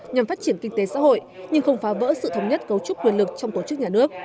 nhằm phát triển kinh tế xã hội nhưng không phá vỡ sự thống nhất cấu trúc quyền lực trong tổ chức nhà nước